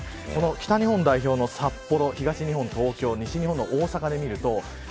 北日本代表の札幌、東日本東京、西日本の大阪で見ていきます。